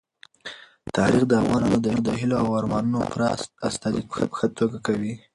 تاریخ د افغان ځوانانو د هیلو او ارمانونو پوره استازیتوب په ښه توګه کوي.